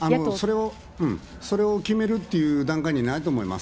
それを決めるっていう段階にないと思います。